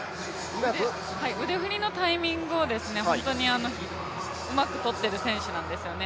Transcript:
腕振りのタイミングを本当にうまくとってる選手なんですよね。